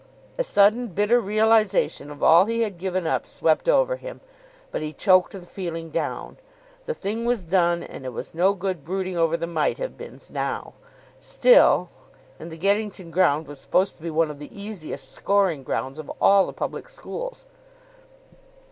A sudden, bitter realisation of all he had given up swept over him, but he choked the feeling down. The thing was done, and it was no good brooding over the might have beens now. Still And the Geddington ground was supposed to be one of the easiest scoring grounds of all the public schools!